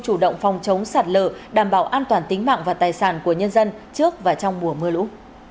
chủ động phòng chống sạt lở đảm bảo an toàn tính mạng và tài sản của nhân dân trước và trong mùa mưa lũ